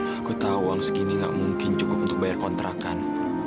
aku tahu uang segini gak mungkin cukup untuk bayar kontrakan